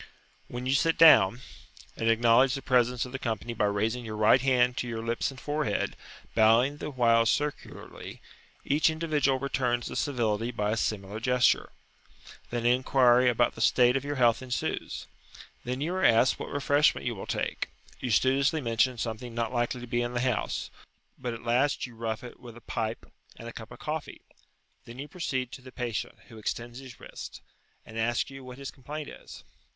Then you sit down, and acknowledge the presence of the company by raising your right hand to your lips and forehead, bowing the while circularly; each individual returns the civility by a similar gesture. Then inquiry about the state of your health ensues. Then you are asked what refreshment you will take: you studiously mention something not likely to be in the house, but at last you rough it with a pipe and a cup of coffee. Then you proceed to the patient, who extends his wrist, and asks you what his complaint is.